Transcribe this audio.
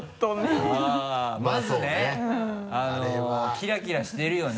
キラキラしてるよね。